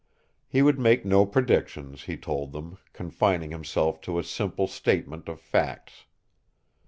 He would make no predictions, he told them, confining himself to a simple statement of facts.